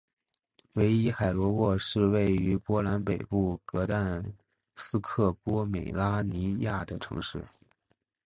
韦伊海罗沃是位于波兰北部格但斯克波美拉尼亚的城市。